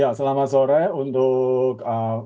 ya selamat sore untuk